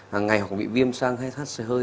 hàng ngày hoặc bị viêm sang hay thắt sơ hơi